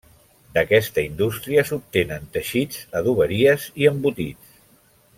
D'aquesta indústria s'obtenen teixits, adoberies i embotits.